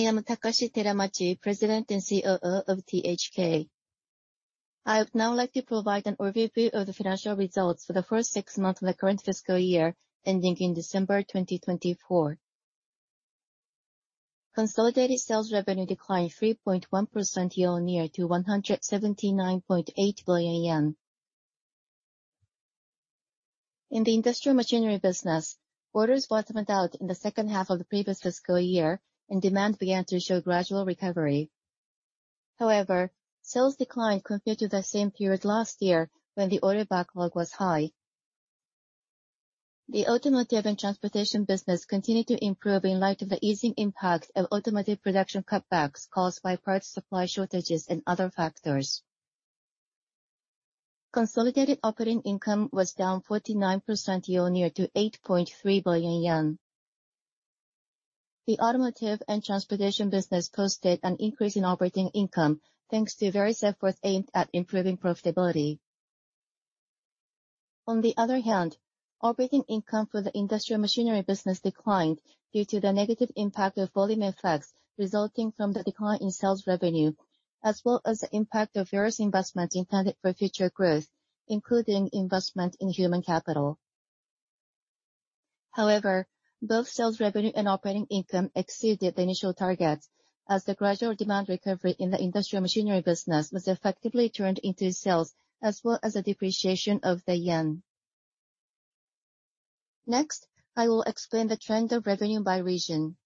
I am Takashi Teramachi, President and Chief Operating Officer of THK. I would now like to provide an overview of the financial results for the first six months of the current fiscal year ending in December 2024. Consolidated sales revenue declined 3.1% year-on-year to JPY 179.8 billion. In the industrial machinery business, orders bottomed out in the second half of the previous fiscal year, and demand began to show gradual recovery. However, sales declined compared to the same period last year when the order backlog was high. The automotive and transportation business continued to improve in light of the easing impact of automotive production cutbacks caused by parts supply shortages and other factors. Consolidated operating income was down 49% year-on-year to 8.3 billion yen. The automotive and transportation business posted an increase in operating income, thanks to various efforts aimed at improving profitability. On the other hand, operating income for the industrial machinery business declined due to the negative impact of volume effects resulting from the decline in sales revenue, as well as the impact of various investments intended for future growth, including investment in human capital. However, both sales revenue and operating income exceeded the initial targets as the gradual demand recovery in the industrial machinery business was effectively turned into sales as well as a depreciation of the yen. Next, I will explain the trend of revenue by region.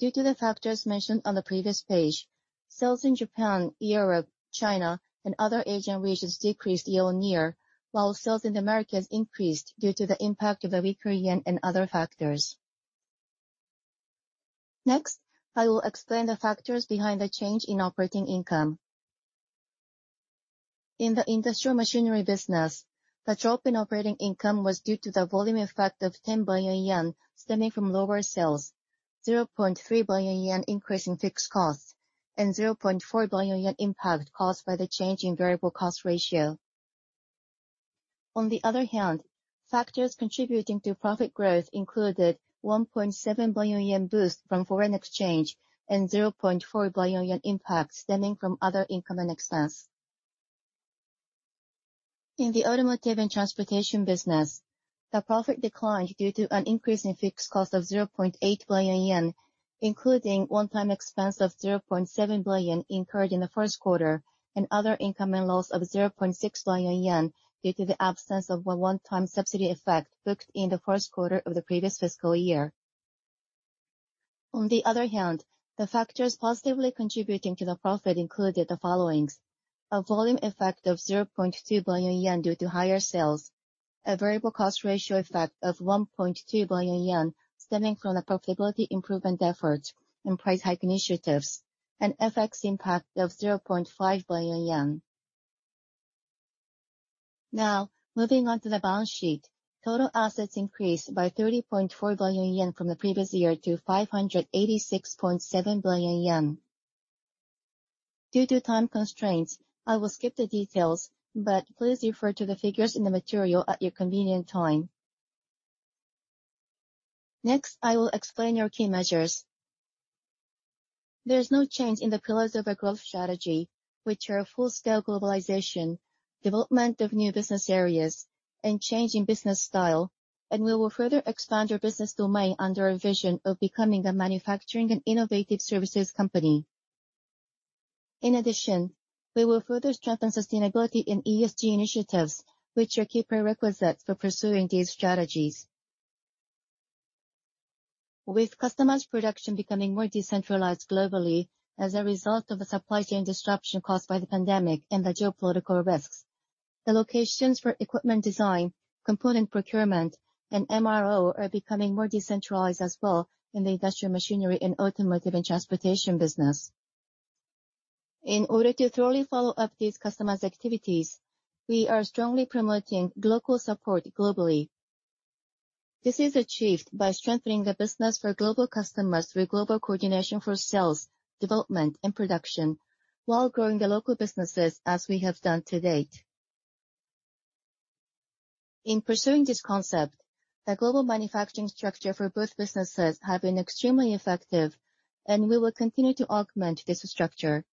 Due to the factors mentioned on the previous page, sales in Japan, Europe, China, and other Asian regions decreased year-on-year, while sales in the Americas increased due to the impact of the weaker yen and other factors. Next, I will explain the factors behind the change in operating income. In the industrial machinery business, the drop in operating income was due to the volume effect of 10 billion yen stemming from lower sales, 0.3 billion yen increase in fixed costs, and 0.4 billion yen impact caused by the change in variable cost ratio. On the other hand, factors contributing to profit growth included 1.7 billion yen boost from foreign exchange and 0.4 billion yen impact stemming from other income and expense. In the automotive and transportation business, the profit declined due to an increase in fixed cost of 0.8 billion yen, including one-time expense of 0.7 billion incurred in the first quarter and other income and loss of 0.6 billion yen due to the absence of a one-time subsidy effect booked in the first quarter of the previous fiscal year. On the other hand, the factors positively contributing to the profit included the following, a volume effect of 0.2 billion yen due to higher sales, a variable cost ratio effect of 1.2 billion yen stemming from the profitability improvement efforts and price hike initiatives, and FX impact of 0.5 billion yen. Now, moving on to the balance sheet. Total assets increased by 30.4 billion yen from the previous year to 586.7 billion yen. Due to time constraints, I will skip the details, but please refer to the figures in the material at your convenient time. Next, I will explain our key measures. There is no change in the pillars of our growth strategy, which are full-scale globalization, development of new business areas, and change in business style, and we will further expand our business domain under a vision of becoming a manufacturing and innovative services company. In addition, we will further strengthen sustainability in ESG initiatives, which are key prerequisites for pursuing these strategies. With customized production becoming more decentralized globally as a result of a supply chain disruption caused by the pandemic and the geopolitical risks, the locations for equipment design, component procurement, and MRO are becoming more decentralized as well in the industrial machinery and automotive and transportation business. In order to thoroughly follow up these customers' activities, we are strongly promoting global support globally. This is achieved by strengthening the business for global customers through global coordination for sales, development, and production while growing the local businesses as we have done to date. In pursuing this concept, the global manufacturing structure for both businesses have been extremely effective, and we will continue to augment this structure.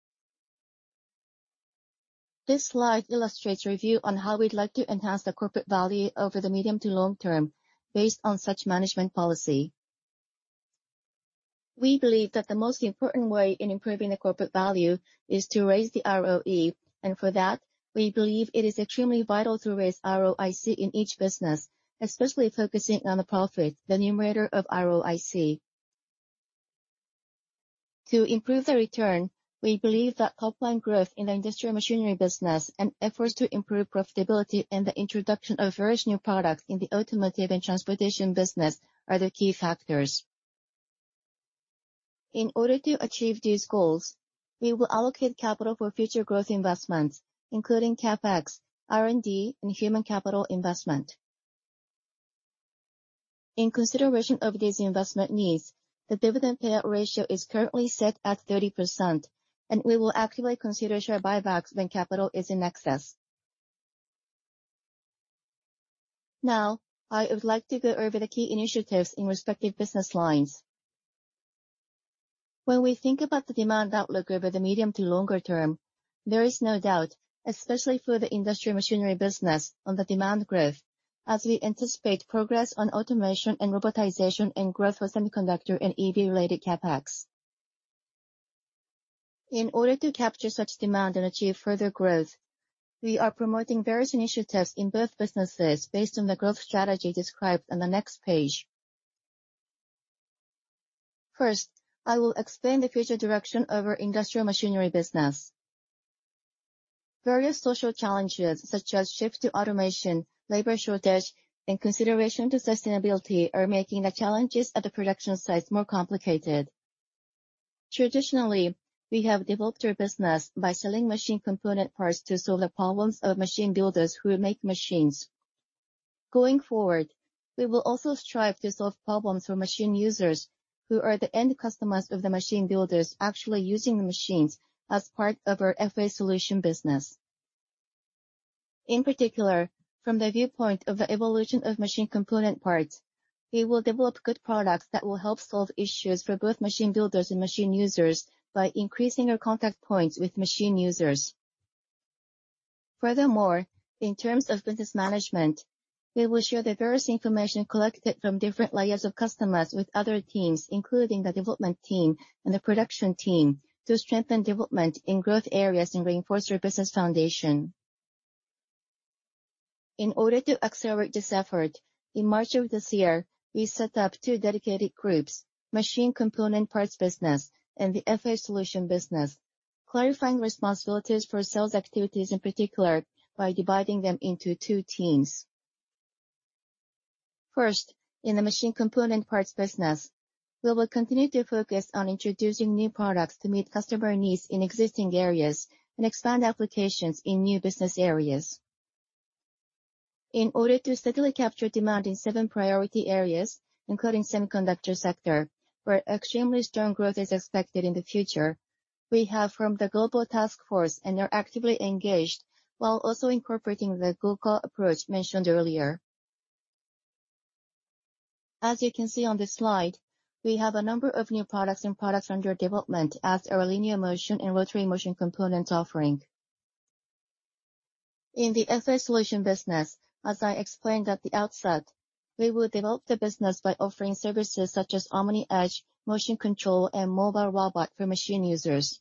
This slide illustrates review on how we'd like to enhance the corporate value over the medium to long term based on such management policy. We believe that the most important way in improving the corporate value is to raise the ROE, and for that, we believe it is extremely vital to raise ROIC in each business, especially focusing on the profit, the numerator of ROIC. To improve the return, we believe that top line growth in the industrial machinery business and efforts to improve profitability and the introduction of various new products in the automotive and transportation business are the key factors. In order to achieve these goals, we will allocate capital for future growth investments, including CapEx, R&D, and human capital investment. In consideration of these investment needs, the dividend payout ratio is currently set at 30%, and we will actively consider share buybacks when capital is in excess. Now, I would like to go over the key initiatives in respective business lines. When we think about the demand outlook over the medium to longer term, there is no doubt, especially for the industrial machinery business on the demand growth, as we anticipate progress on automation and robotization, and growth for semiconductor and EV related CapEx. In order to capture such demand and achieve further growth, we are promoting various initiatives in both businesses based on the growth strategy described on the next page. First, I will explain the future direction of our industrial machinery business. Various social challenges, such as shift to automation, labor shortage, and consideration to sustainability are making the challenges at the production sites more complicated. Traditionally, we have developed our business by selling machine component parts to solve the problems of machine builders who make machines. Going forward, we will also strive to solve problems for machine users, who are the end customers of the machine builders actually using the machines as part of our FA solution business. In particular, from the viewpoint of the evolution of machine component parts, we will develop good products that will help solve issues for both machine builders and machine users by increasing our contact points with machine users. Furthermore, in terms of business management, we will share the various information collected from different layers of customers with other teams, including the development team and the production team, to strengthen development in growth areas and reinforce our business foundation. In order to accelerate this effort, in March of this year, we set up two dedicated groups, machine component parts business and the FA solution business, clarifying responsibilities for sales activities in particular by dividing them into two teams. First, in the machine component parts business, we will continue to focus on introducing new products to meet customer needs in existing areas and expand applications in new business areas. In order to steadily capture demand in seven priority areas, including semiconductor sector, where extremely strong growth is expected in the future, we have formed the global task force and are actively engaged while also incorporating the GOKA approach mentioned earlier. As you can see on this slide, we have a number of new products and products under development as our linear motion and rotary motion components offering. In the FA solution business, as I explained at the outset, we will develop the business by offering services such as OMNIedge, motion control, and mobile robot for machine users.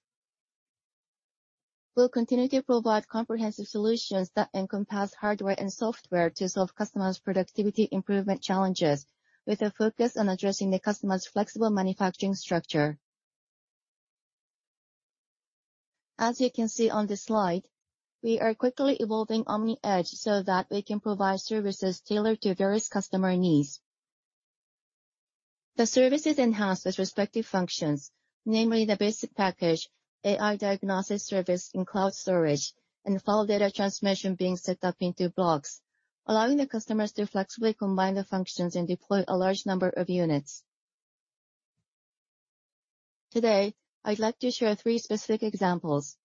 We'll continue to provide comprehensive solutions that encompass hardware and software to solve customers' productivity improvement challenges with a focus on addressing the customer's flexible manufacturing structure. As you can see on this slide, we are quickly evolving OMNIedge so that we can provide services tailored to various customer needs. The services enhance the respective functions, namely the basic package, AI Diagnostic Service in cloud storage, and file data transmission being set up into blocks, allowing the customers to flexibly combine the functions and deploy a large number of units. Today, I'd like to share three specific examples.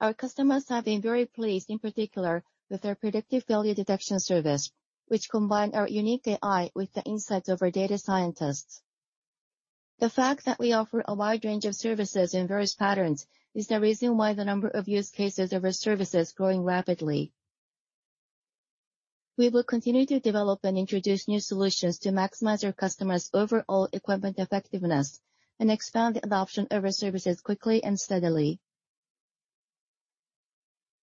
Our customers have been very pleased, in particular, with our predictive failure detection service, which combines our unique AI with the insights of our data scientists. The fact that we offer a wide range of services in various patterns is the reason why the number of use cases of our service is growing rapidly. We will continue to develop and introduce new solutions to maximize our customers' overall equipment effectiveness and expand the adoption of our services quickly and steadily.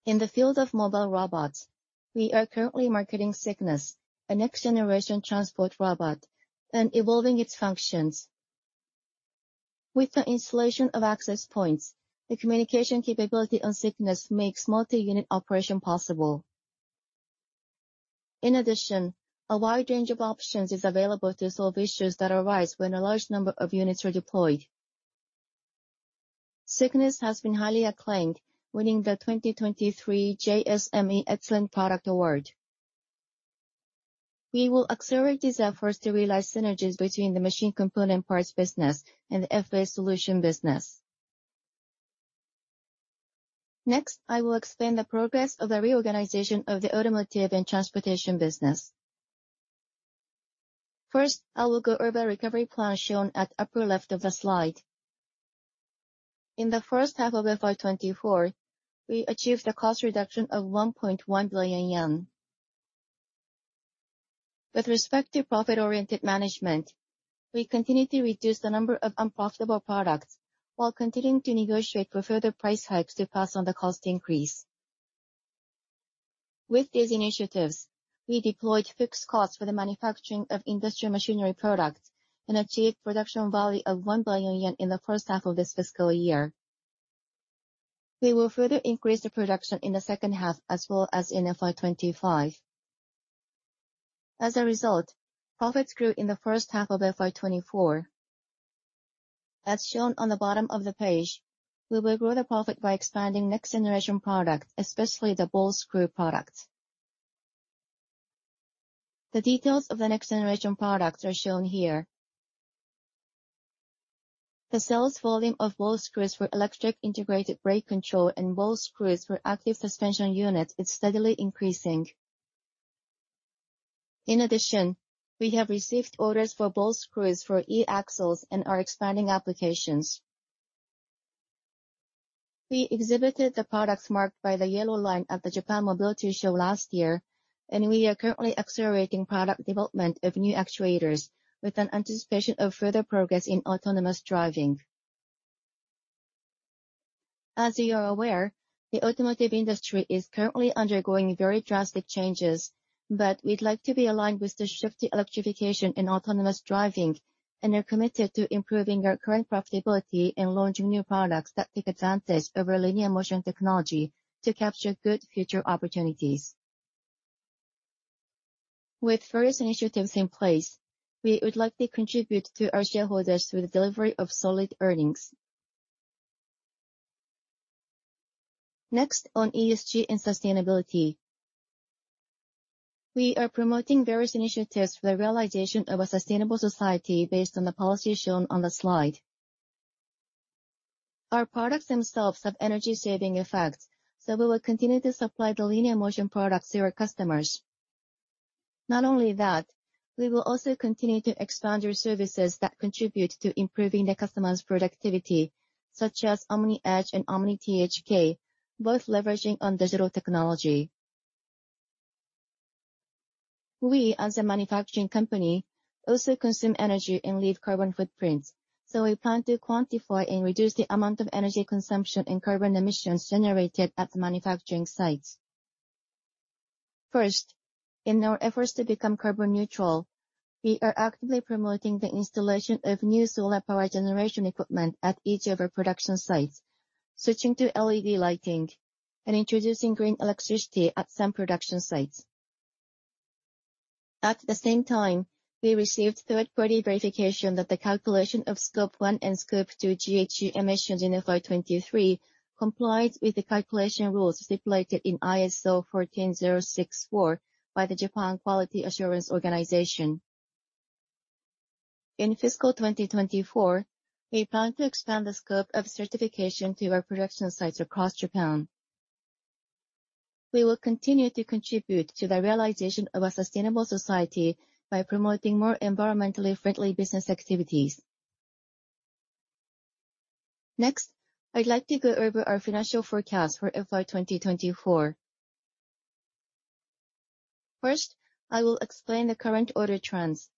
In the field of mobile robots, we are currently marketing Cygnus, a next-generation transport robot, and evolving its functions. With the installation of access points, the communication capability on Cygnus makes multi-unit operation possible. In addition, a wide range of options is available to solve issues that arise when a large number of units are deployed. Cygnus has been highly acclaimed, winning the 2023 JSME Excellent Product Award. We will accelerate these efforts to realize synergies between the machine component parts business and the FA solution business. Next, I will explain the progress of the reorganization of the automotive and transportation business. First, I will go over the recovery plan shown at upper left of the slide. In the first half of FY 2024, we achieved a cost reduction of 1.1 billion yen. With respect to profit-oriented management, we continue to reduce the number of unprofitable products while continuing to negotiate for further price hikes to pass on the cost increase. With these initiatives, we deployed fixed costs for the manufacturing of industrial machinery products and achieved production value of 1 billion yen in the first half of this fiscal year. We will further increase the production in the second half as well as in FY 2025. As a result, profits grew in the first half of FY 2024. As shown on the bottom of the page, we will grow the profit by expanding next generation product, especially the Ball Screw product. The details of the next generation products are shown here. The sales volume of Ball Screws for electric integrated brake control and Ball Screws for active suspension units is steadily increasing. In addition, we have received orders for Ball Screws for e-axles and are expanding applications. We exhibited the products marked by the yellow line at the Japan Mobility Show last year, and we are currently accelerating product development of new actuators with an anticipation of further progress in autonomous driving. As you are aware, the automotive industry is currently undergoing very drastic changes, but we'd like to be aligned with the shift to electrification and autonomous driving, and are committed to improving our current profitability and launching new products that take advantage of our linear motion technology to capture good future opportunities. With various initiatives in place, we would like to contribute to our shareholders through the delivery of solid earnings. Next, on ESG and sustainability. We are promoting various initiatives for the realization of a sustainable society based on the policy shown on the slide. Our products themselves have energy-saving effects, so we will continue to supply the linear motion products to our customers. Not only that, we will also continue to expand our services that contribute to improving the customer's productivity, such as OMNIedge and OMNI-THK, both leveraging on digital technology. We, as a manufacturing company, also consume energy and leave carbon footprints, so we plan to quantify and reduce the amount of energy consumption and carbon emissions generated at the manufacturing sites. First, in our efforts to become carbon neutral, we are actively promoting the installation of new solar power generation equipment at each of our production sites, switching to LED lighting, and introducing green electricity at some production sites. At the same time, we received third-party verification that the calculation of Scope one and Scope two GHG emissions in FY 2023 complies with the calculation rules stipulated in ISO 14064 by the Japan Quality Assurance Organization. In fiscal 2024, we plan to expand the scope of certification to our production sites across Japan. We will continue to contribute to the realization of a sustainable society by promoting more environmentally friendly business activities. Next, I'd like to go over our financial forecast for FY 2024. First, I will explain the current order trends.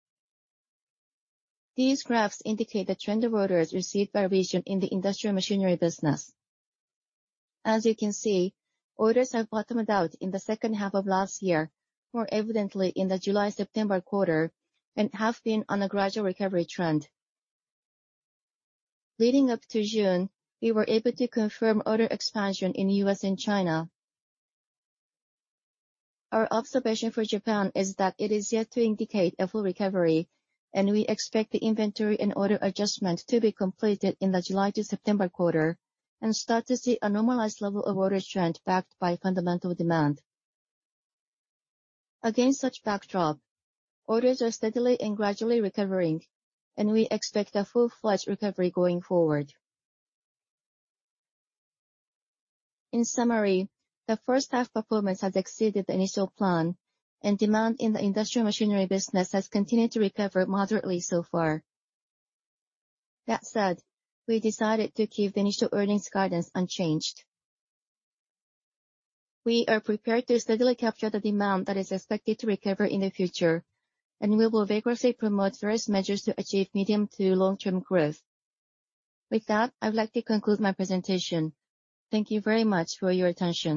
These graphs indicate the trend of orders received by region in the industrial machinery business. As you can see, orders have bottomed out in the second half of last year, more evidently in the July-September quarter, and have been on a gradual recovery trend. Leading up to June, we were able to confirm order expansion in U.S. and China. Our observation for Japan is that it is yet to indicate a full recovery, and we expect the inventory and order adjustment to be completed in the July to September quarter, and start to see a normalized level of order trend backed by fundamental demand. Against such backdrop, orders are steadily and gradually recovering, and we expect a full-fledged recovery going forward. In summary, the first half performance has exceeded the initial plan, and demand in the industrial machinery business has continued to recover moderately so far. That said, we decided to keep the initial earnings guidance unchanged. We are prepared to steadily capture the demand that is expected to recover in the future, and we will vigorously promote various measures to achieve medium to long-term growth. With that, I would like to conclude my presentation. Thank you very much for your attention.